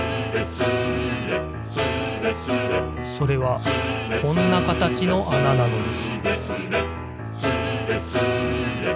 それはこんなかたちのあななのです